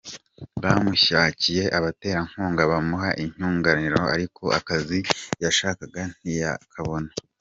Bamushakiye abaterankunga bamuha inyunganirangingo ariko akazi yashakaga ntiyakabona.